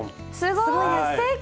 すごいです！